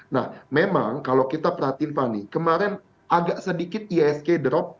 nah memang kalau kita perhatiin fani kemarin agak sedikit ihsg drop